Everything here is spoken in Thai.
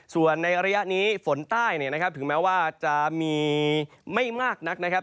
ส่วนในระยะนี้ฝนใต้เนี่ยนะครับถึงแม้ว่าจะมีไม่มากนักนะครับ